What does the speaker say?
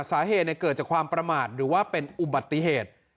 สาเหตุเกิดจากความประมาทหรือว่าเป็นอุบัติเหตุ